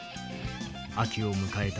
秋を迎えた